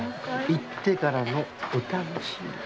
行ってからのお楽しみ。